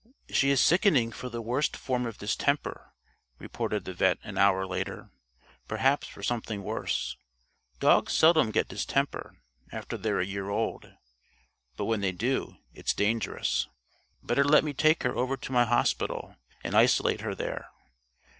"She is sickening for the worst form of distemper," reported the vet' an hour later, "perhaps for something worse. Dogs seldom get distemper after they're a year old, but when they do it's dangerous. Better let me take her over to my hospital and isolate her there.